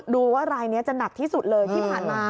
ดูว่ารายนี้จะหนักที่สุดเลยที่ผ่านมา